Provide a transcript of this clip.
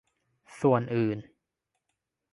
ส่วนอื่น